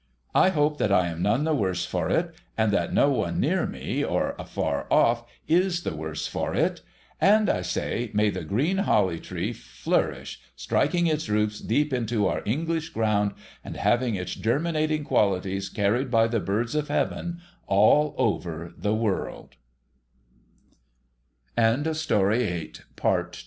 I hope that I am none the worse for it, and that no one near me or afar off is the worse for it. And I say. May the green Holly Tree flourish, striking its roots deep into our English ground, and having its germinating qualities carried by the birds of Heaven